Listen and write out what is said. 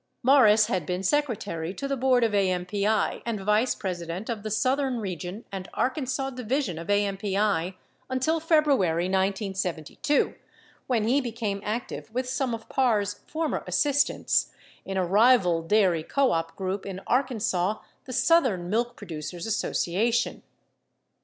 728 Morris had been secretary to the board of AMPI and vice president of the Southern region and Arkansas division of AMPI until Febru ary 1972, when he became active with some of Parr's former assist ants in a rival dairy co op group in Arkansas, the Southern Milk Pro ducers Association.